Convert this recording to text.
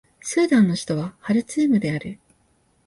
スーダンの首都はハルツームである